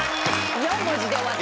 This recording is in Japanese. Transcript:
４文字で終わった。